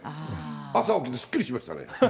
朝起きてすっきりしましたね。